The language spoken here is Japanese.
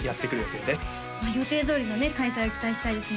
あ予定どおりのね開催を期待したいですね